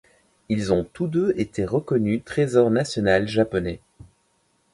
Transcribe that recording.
Ils ont tous deux été reconnus trésor national japonais.